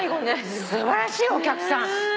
素晴らしいお客さん。